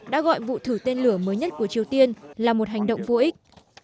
đã gọi vụ thử tên lửa mới nhất của triều tiên là một hành động vô ích